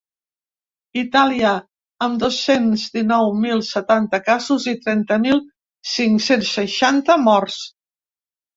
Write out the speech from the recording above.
Itàlia, amb dos-cents dinou mil setanta casos i trenta mil cinc-cents seixanta morts.